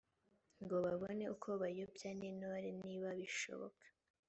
ngo babone uko bayobya n intore niba bishoboka